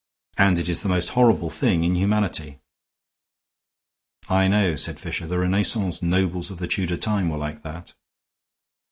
And it is the most horrible thing in humanity." "I know," said Fisher. "The Renaissance nobles of the Tudor time were like that."